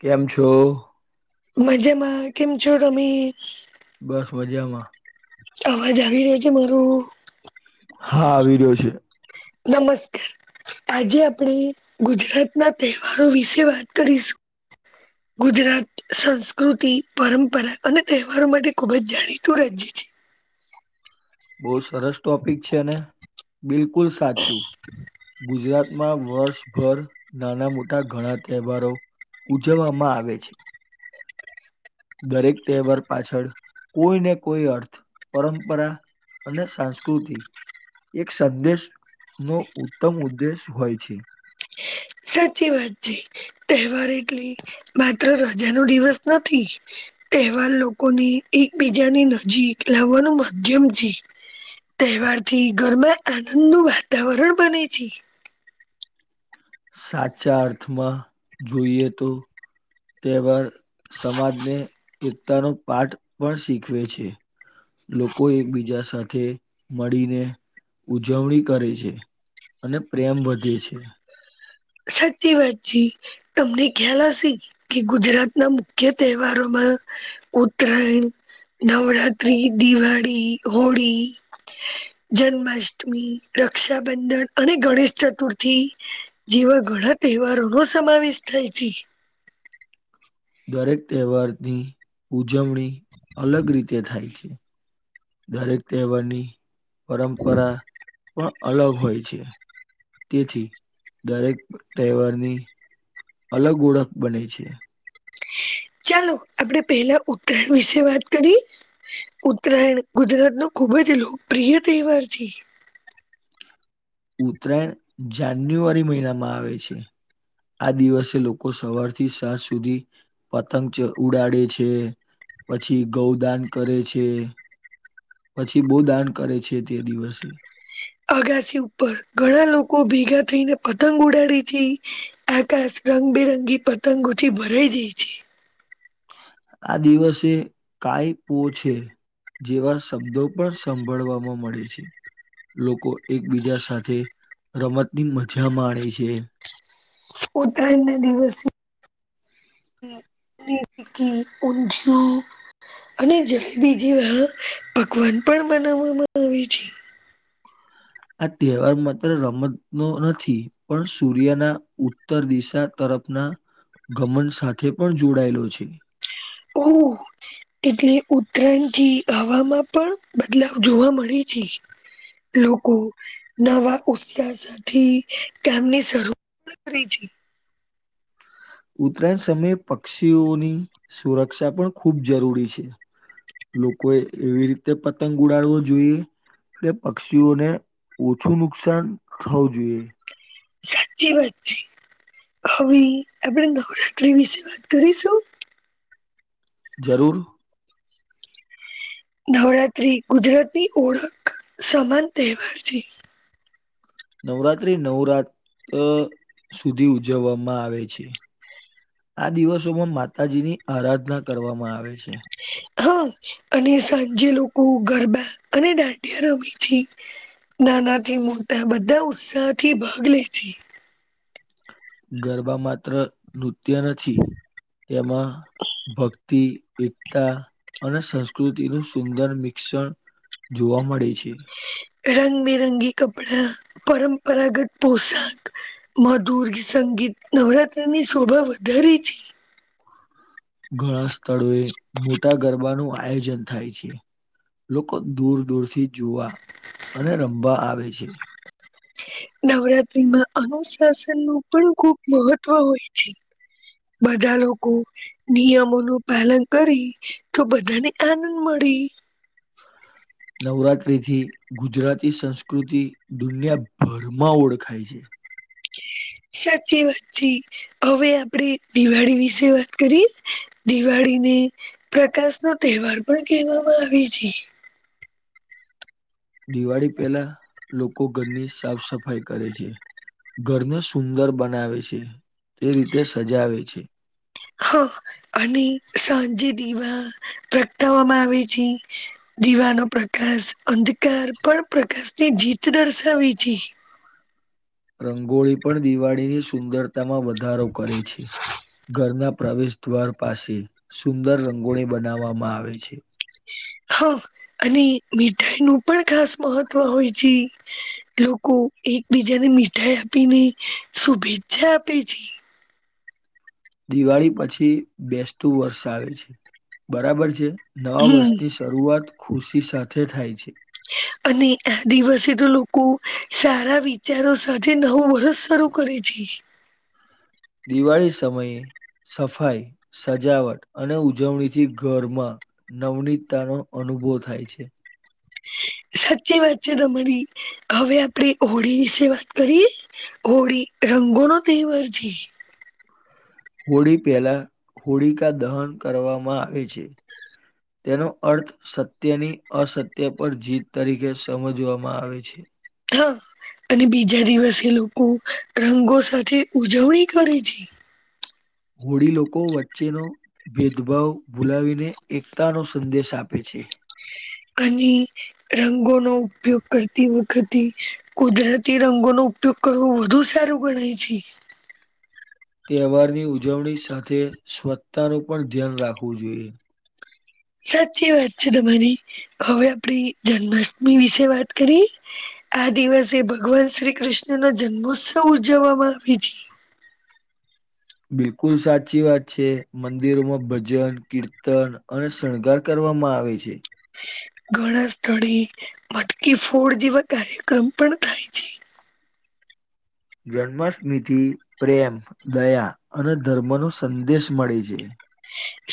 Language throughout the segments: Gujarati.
કેમ છો? મજામાં કેમ છો તમે? બસ મજામાં. અવાજ આવી રહ્યો છે મારો? હા આવી રયો છે. નમસ્કાર! આજે આપણે ગુજરાત ના તહેવારો વિશે વાત કરીશું. ગુજરાત સંસ્કૃતિ, પરંપરા અને તહેવારો માટે ખુબ જ જાણીતું રાજ્ય છે. બહુ સરસ ટોપિક છે ને, બિલકુલ સાચું ગુજરાતમાં વર્ષભર નાના મોટા ઘણા તહેવારો ઉજવવામાં આવે છે. દરેક તહેવાર પાછળ કોઈ ને કોઈ અર્થ પરંપરા અને સંસ્કૃતિ એક સંદેશ નો ઉત્તમ ઉદ્દેશ હોય છે. સાચી વાત છે, તહેવાર એટલે માત્ર રજા નો દિવસ નથી. તહેવાર લોકોને એકબીજાની નજીક લાવવાનું માધ્યમ છે. તહેવાર થી ઘરમાં આનંદ નું વાતાવરણ બને છે. સાચા અર્થમાં જોઈએ તો તહેવાર સમાજને એકતાનો પાઠ પણ શીખવે છે. લોકો એકબીજા સાથે મળીને ઉજવણી કરે છે. અને પ્રેમ વધે છે. સાચી વાત છે. તમને ખ્યાલ હશે કે ગુજરાતના મુખ્ય તહેવારોમાં ઉત્તરાયણ, નવરાત્રી, દિવાળી, હોળી જન્માષ્ટમી, રક્ષાબંધન અને ગણેશચતુર્થી જેવા ઘણા તહેવારો નો સમાવેશ થાય છે. દરેક તહેવારની ઉજવણી અલગ રીતે થાય છે. દરેક તહેવારની પરંપરા પણ અલગ હોય છે. તેથી દરેક તહેવારની અલગ ઓળખ બને છે. ચાલો આપડે પેલા ઉત્તરાયણ વિશે વાત કરી? ઉત્તરાયણ ગુજરાત નો ખૂબ જ લોકપ્રિય તહેવાર છે. ઉત્તરાયણ જાન્યુઆરી મહિનામાં આવે છે. આ દિવસે લોકો સવાર થી સાંજ સુધી પતંગ ચ ઉડાડે છે પછી ગૌદાન કરે છે. પછી બવ દાન કરે છે તે દિવસે અગાસી ઉપર ઘણા લોકો ભેગા થઈને પતંગ ઉડાડે છે. આકાશ રંગબેરંગી પતંગોથી ભરાઈ જાઈ છે. આ દિવસે કાઈપો છે જેવા શબ્દો પણ સાંભળવામાં મળે છે. લોકો એકબીજા સાથે રમતની મજા માણે છે. ઉતરાયણ ના દિવસે [unintelligible] અને જલેબી જેવા પકવાન પણ બનાવવામાં આવે છે. આ તહેવાર માત્ર રમત નો નથી પણ સૂર્યના ઉત્તર દિશા તરફના ઘમંડ સાથે પણ જોડાયેલો છે. ઓહ. એટલે ઉત્તરાયણ થી હવામાં પણ બદલાવ જોવા મળે છે. લોકો નવા ઉત્સાહથી કામને શરૂ [unintelligible] છે. ઉત્તરાયણ સમયે પક્ષીઓની સુરક્ષા પણ ખૂબ જરૂરી છે. લોકોએ એવી રીતે પતંગ ઉડાવવો જોઈએ એટલે પક્ષીઓને ઓછું નુકસાન થવું જોઈએ. સાચી વાત છે. હવે આપણે નવરાત્રી વિશે વાત કરીશું? જરૂર. નવરાત્રી ગુજરાતની ઓળખ સમાન તહેવાર છે. નવરાત્રી નવરાત અહ સુધી ઉજવવામાં આવે છે. આ દિવસોમાં માતાજી ની આરાધના કરવામાં આવે છે. હા, અને સાંજે લોકો ગરબા અને દાંડિયા રમે છે. નાનાથી મોટા બધા ઉત્સાહથી ભાગ લે છે. ગરબા માત્ર નૃત્ય નથી, તેમાં ભક્તિ, એકતા, અને સંસ્કૃતિનું સુંદર મિક્ષણ જોવા મળે છે. રંગબેરંગી કપડા, પરંપરાગત પોશાક મધુર સંગીત નવરાત્રિની શોભા વધારે છે. ઘણા સ્થળોએ મોટા ગરબાનું આયોજન થાય છે. લોકો દૂર-દૂર થી જોવા અને રમવા આવે છે. નવરાત્રીમાં અનુશાસન નું પણ ખુબ મહત્વ હોય છે. બધા લોકો નિયમો નું પાલન કરી તો બધાને આનંદ મળી. નવરાત્રીથી ગુજરાતી સંસ્કૃતિ દુનિયાભરમાં ઓળખાય છે. સાચી વાત છે. હવે આપડે દિવાળી વિશે વાત કરીએ? દિવાળીને પ્રકાશ નો તહેવાર પણ કહેવામાં આવે છે. દિવાળી પહેલા લોકો ઘરની સાફ સફાઈ કરે છે. ઘરને સુંદર બનાવે છે, એ રીતે સજાવે છે. હા, અને સાંજે દીવા પ્રગટાવવામાં આવે છે. દીવાનો પ્રકાશ અંધકાર પણ પ્રકાશ ની જીત દર્શાવે છે. રંગોળી પણ દિવાળીની સુંદરતામાં વધારો કરે છે. ઘરના પ્રવેશ દ્વાર પાસે સુંદર રંગોળી બનાવવામાં આવે છે. હા. અને મીઠાઈ નું પણ ખાસ મહત્વ હોય છે. લોકો એકબીજાને મીઠાઈ આપીને શુભેચ્છા આપે છે. દિવાળી પછી બેસતું વર્ષ આવે છે. બરાબર છે? નવા હમ વર્ષની શરૂઆત ખુશી સાથે થાય છે. [inaudible] અને આ દિવસે તો લોકો સારા વિચારો સાથે નવો વર્ષ શરૂ કરે છે. દિવાળી સમયે સફાઈ, સજાવટ અને ઉજવણીથી ઘરમાં નવનીતા નો અનુભવ થાય છે. સાચી વાત છે તમારી. હવે આપણે હોળી વિશે વાત કરીએ? હોળી રંગોનો તહેવાર છે. હોળી પહેલા હોળિકા દહન કરવામાં આવે છે. [inaudible] તેનો અર્થ સત્યની, અસત્ય પર જીત તરીકે સમજવામાં આવે છે. હા, અને બીજા દિવસે લોકો રંગો સાથે ઉજવણી કરે છે. હોળી લોકો વચ્ચેનો ભેદભાવ ભૂલાવીને એકતા નો સંદેશ આપે છે અને રંગોનો ઉપયોગ કરતી વખતે કુદરતી રંગોનો ઉપયોગ કરવો વધુ સારું ગણાય છે તહેવાર ની ઉજવણી સાથે સ્વચ્તા નું પણ ધ્યાન રાખવું જોઈએ સાચી વાત છે તમારી હવે આપડી જન્માષ્ટમી વિશે વાત કરીએ આ દિવસે ભગવાન શ્રી કૃષ્ણ નો જન્મોત્સવ ઉજવવામાં આવે છે બિલકુલ સાચી વાત છે મંદિરોમાં ભજન કીર્તન અને શણગાર કરવામાં આવે છે ઘણા સ્થળે મટકી ફોડ જેવા કાર્યક્રમ પણ થાય છે જન્માષ્ટમીથી પ્રેમ દયા અને ધર્મ નો સંદેશ મળે છે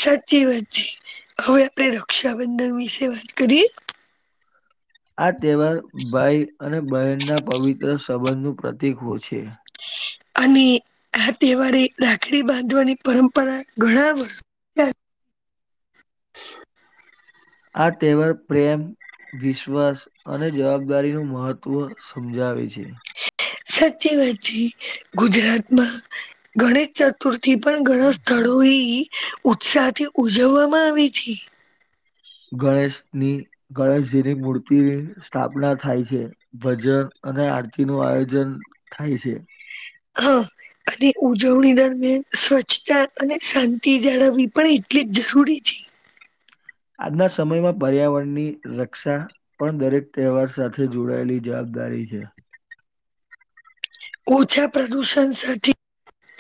સાચી વાત છે હવે આપડે રક્ષાબંધન વિશે વાત કરીએ? આ તહેવાર ભાઈ અને બહેનના પવિત્ર સંબંધનું પ્રતિક હો છે અને આ તહેવારે રાખડી બાંધવાની પરંપરા ઘણા વર્ષ આ તેહેવર પ્રેમ વિશ્વાસ અને જવાબદારી નું મહત્વ સમજાવે છે સાચી વાત છે ગુજરાતમાં ગણેશ ચ તુરથી પણ ઘણા સ્થળો ઉત્સાહ થી ઉજવવામાં આવી હતી ગણેશની ગણેશજીની મૂર્તિની સ્થાપના થાય છે ભજન અને આરતી નું આયોજન થાય છે હા અને ઉજવણી દરમિયાન સ્વચ્છતા અને શાંતિ જાળવવી પણ એટલી જ જરૂરી છે આજના સમયમાં પર્યાવરણની રક્ષા પણ દરેક તહેવાર સાથે જોડાયેલી જવાબદારી છે ઓછા પ્રદૂષણ સાથે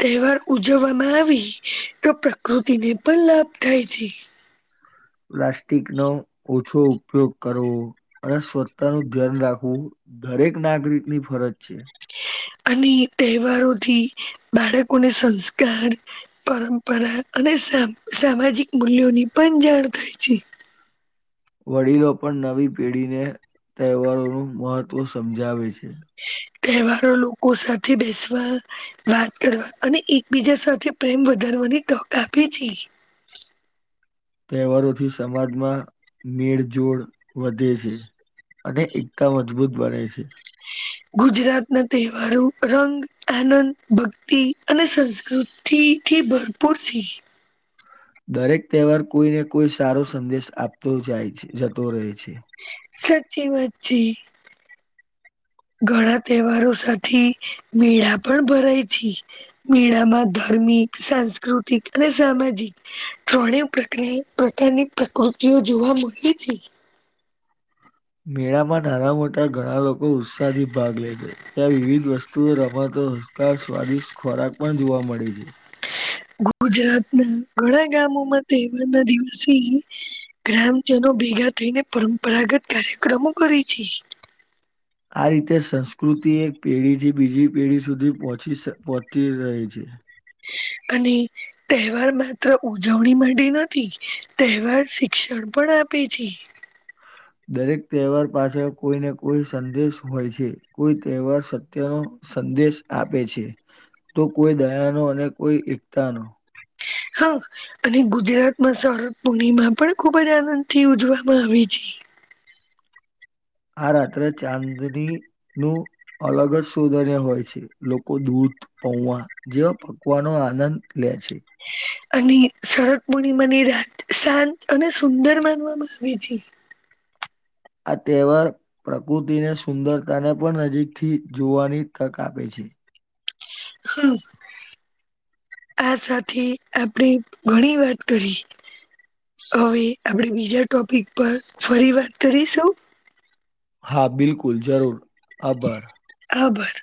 તહેવાર ઉજવવામાં આવી તો પ્રકૃતિને પણ લાભ થાય છે પ્લાસ્ટિક નો ઓછો ઉપયોગ કરવો અને સ્વચ્તા નું ધ્યાન રાખવું દરેક નાગરિક ની ફરજ છે અને તહેવારોથી બાળકોને સંસ્કાર પરંપરા અને સા સામાજિક મૂલ્યોની પણ જાણ થાય છે વડીલો પણ નવી પેઢીને તહેવારોનું મહત્વ સમજાવે છે તહેવારો લોકો સાથે બેસવા વાત કરવા અને એકબીજા સાથે પ્રેમ વધારવાની તક આપે છે તહેવારોથી સમાજમાં મેળ જોડ વધે છે અને એકતા મજબૂત બને છે ગુજરાતના તહેવારો રંગ, આનંદ, ભક્તિ અને સંસ્કૃ થીથી ભરપૂરથી દરેક તહેવાર કોઈને કોઈ સારો સંદેશ આપતો જાય જતો રહે છે સાચી વાત છે ઘણા તહેવારો સાથી મેળા પણ ભરાય છે મેળામાં ધાર્મિક, સાંસ્કૃતિક અને સામાજિક ત્રણે પ્રકિયા પ્રકારની પ્રકૃતિઓ જોવા મળે છે મેળામાં નાના મોટા ઘણા લોકો ઉત્સાહથી ભાગ લે છે ત્યાં વિવિધ વસ્તુઓ રમાતો હસકા સ્વાદિષ્ટ ખોરાક પણ જોવા મળે છે ગુજરાત ના ઘણા ગામોમાં તહેવાર ના દિવસે ગ્રામજનો ભેગા થઈને પરંપરાગત કાર્યક્રમો કરે છે આ રીતે સંસ્કૃતિ એક પેઢી થી બીજી પેઢી સુધી પહચી સ પહોચી રહી છે અને તહેવાર માત્ર ઉજવણી માટે નથી તહેવાર શિક્ષણ પણ આપે છે દરેક તહેવાર પાછળ કોઈને કોઈ સંદેશ હોય છે કોઈ તહેવાર સત્યનો સંદેશ આપે છે તો કોઈ દયા નો અને કોઈ એકતા નો હા અને ગુજરાત માં શરદ પૂર્ણિમા પણ ખુબ જ આનંદથી ઉજવામાં આવે છે. આ રાત્રે ચાંદની નું અલગ જ સૌધન્ય હોય છે લોકો દૂધ પૌવા જેવા પકવાનો આનંદ લે છે. અને શરદ પૂર્ણિમાની રાત શાંત અને સુંદર માનવામાં આવે છે આ તહેવાર પ્રકૃતિને સુંદરતાને પણ નજીકથી જોવાની તક આપે છે. હમ્મ. આ સાથે આપણેે ઘણી વાત કરી હવે આપણેે બીજા ટોપિક પર ફરી વાત કરીશું હા બિલકુલ જરૂર આભાર આભાર